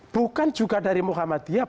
bukan juga dari muhammadiyah